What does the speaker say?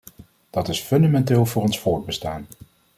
Dat is fundamenteel voor ons voortbestaan.